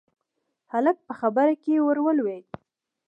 هلک په خبره کې ور ولوېد: